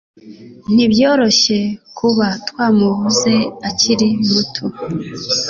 Ntibyoroshye kuba twamubuze akiri muto